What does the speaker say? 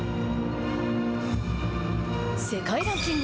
世界ランキング